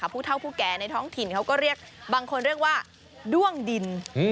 ผู้เท่าผู้แก่ในท้องถิ่นบางคนเรียกด้วงดิน